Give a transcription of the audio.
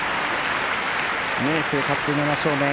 明生、勝って７勝目。